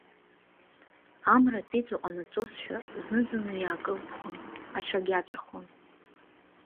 Амра ҵиҵу ҟанаҵозшәа, зны-зынла иаакылԥхон, аҽагьаҵәахуан.